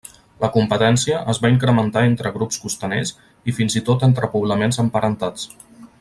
La competència es va incrementar entre grups costaners i fins i tot entre poblaments emparentats.